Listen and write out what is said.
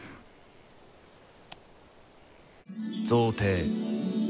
贈呈。